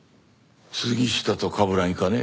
杉下と冠城かね？